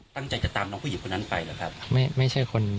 ตั้งใจจะตามน้องผู้หญิงคนนั้นไปหรือครับ